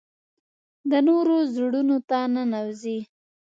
د نورو زړونو ته ننوځي .